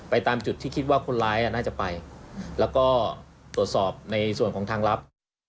ตามจุดที่คิดว่าคนร้ายน่าจะไปแล้วก็ตรวจสอบในส่วนของทางลับ